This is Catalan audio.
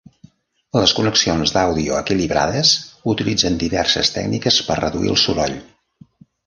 Les connexions d'àudio equilibrades utilitzen diverses tècniques per reduir el soroll.